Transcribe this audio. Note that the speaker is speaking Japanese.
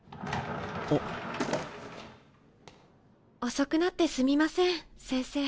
遅くなってすみません先生。